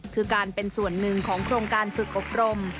คือการเป็นส่วนหนึ่งของโครงการฝึกอบรม